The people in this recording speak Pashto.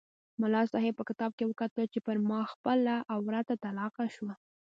ملا صاحب په کتاب کې وکتل چې پر ما خپله عورته طلاقه شوه.